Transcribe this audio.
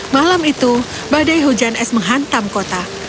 malam itu badai hujan es menghantam kota